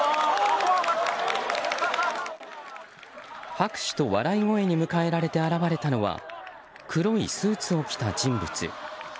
拍手と笑い声に迎えられて現れたのは黒いスーツを着た人物。